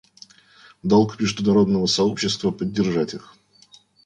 Долг международного сообщества — поддержать их.